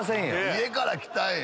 家から来たんや。